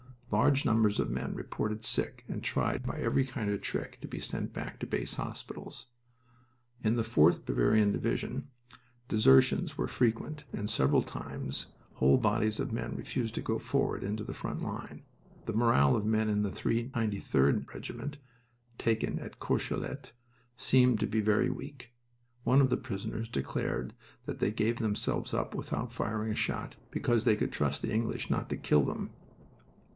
Large numbers of men reported sick and tried by every kind of trick to be sent back to base hospitals. In the 4th Bavarian Division desertions were frequent, and several times whole bodies of men refused to go forward into the front line. The morale of men in the 393d Regiment, taken at Courcelette, seemed to be very weak. One of the prisoners declared that they gave themselves up without firing a shot, because they could trust the English not to kill them.